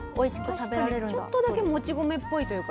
確かにちょっとだけもち米っぽいというか。